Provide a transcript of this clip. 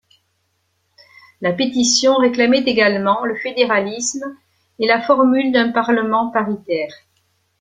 La pétition réclamait également le Fédéralisme et la formule d’un Parlement paritaire.